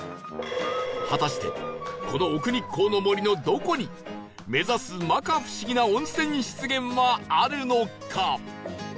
果たしてこの奥日光の森のどこに目指す摩訶不思議な温泉湿原はあるのか？